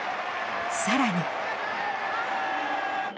更に。